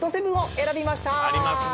ありますね。